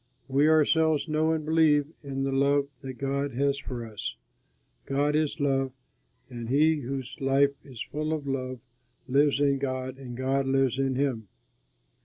We ourselves know and believe in the love that God has for us. God is love, and he whose life is full of love lives in God and God lives in him.